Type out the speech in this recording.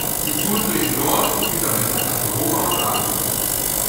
Sie tourte durch Nord- und Südamerika, Europa und Asien.